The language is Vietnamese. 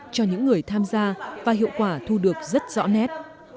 cho những người tham gia và hiệu quả thu được rất rõ nét